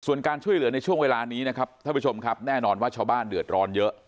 ส่วนการช่วยเหลือในช่วงเวลานี้นะครับท่านผู้ชมครับแน่นอนว่าชาวบ้านเดือดร้อนเยอะ